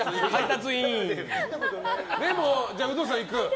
でも、ウドさんいく？